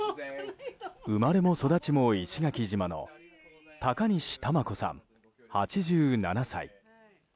生まれも育ちも石垣島の高西タマ子さん、８７歳。